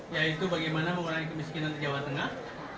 yaitu bagaimana mengurangi kemiskinan di jawa tengah